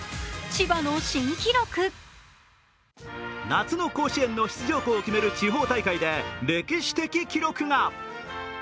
夏の甲子園の出場校を決める地方大会で歴史的記録が。